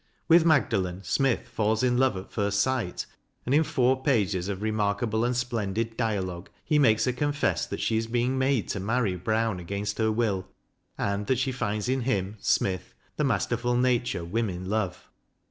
With Magdalen, Smith falls in love at first sight, and in four pages of remark able and splendid dialogue, he makes her confess that she is being made to marry Brown against her will, and that she finds in him, Smith, the masterful nature women love.